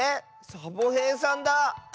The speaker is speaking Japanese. サボへいさんだ。